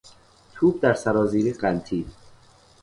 توپ در سرازیری غلتید.